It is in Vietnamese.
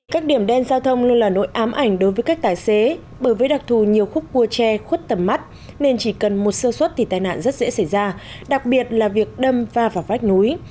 các điểm đen giao thông luôn là nỗi ám ảnh đối với các tài xế bởi với đặc thù nhiều khúc cua tre khuất tầm mắt nên chỉ cần một sơ suất thì tai nạn rất dễ xảy ra đặc biệt là việc đâm va vào vách núi